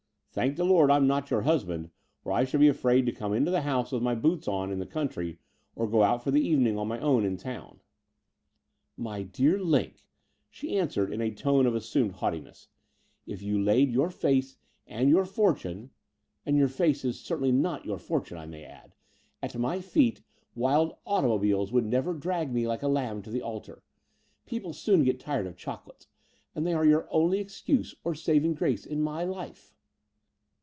Thank the Lord I'm not your husband; or I should be afraid to come into the house with my boots on in the country, or to go out for the evening on my own in town." "My dear Line," she answered, in a tone of as sumed haughtiness, if you laid your face and your 158 The Door of the Unreal fortune — and your face is certainly not your fortune, I may add — ^at my f eet^wild automobiles would never drag me like a lamb to the altar. People soon get tired of chocolates; and they are your only excuse or saving grace in my life."